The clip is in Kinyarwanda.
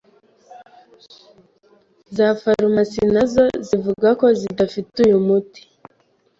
Za farumasi nazo zivuga ko zidafite uyu muti.